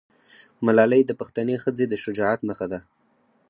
ملالۍ د پښتنې ښځې د شجاعت نښه ده.